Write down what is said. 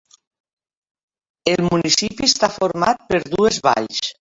El municipi està format per dues valls.